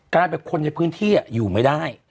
กลายเป็นคนในพื้นที่อยู่ไม่ได้